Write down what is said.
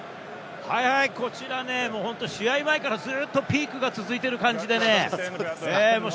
こちら試合前からずっとピークが続いている感じでね。